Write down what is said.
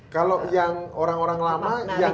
kalau yang orang orang lama yang